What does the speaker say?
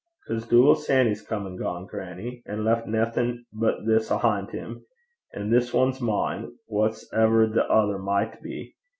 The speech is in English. ''Cause Dooble Sanny's come and gane, grannie, and left naething but this ahint him. And this ane's mine, whase ever the ither micht be.